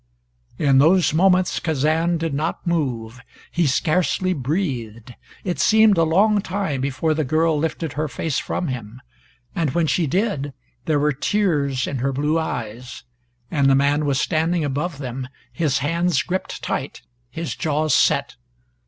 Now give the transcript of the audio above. In those moments Kazan did not move. He scarcely breathed. It seemed a long time before the girl lifted her face from him. And when she did, there were tears in her blue eyes, and the man was standing above them, his hands gripped tight, his jaws set.